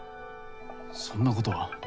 そんなことは。